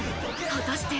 果たして。